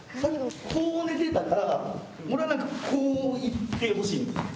こう寝てたから俺はなんかこういってほしいの！